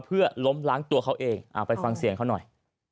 เพื่อล้มล้างตัวเขาเองไปฟังเสียงเขาหน่อย